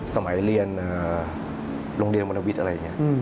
สมัยเรียนโรงเรียนวรรณวิทย์อะไรอย่างนี้